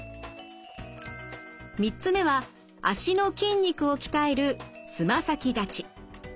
３つ目は脚の筋肉を鍛えるつま先立ち。